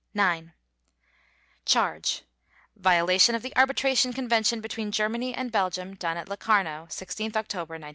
IX CHARGE: _Violation of the Arbitration Convention between Germany and Belgium, done at Locarno, 16 October 1925.